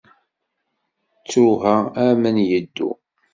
Ttuha, amen yeddu.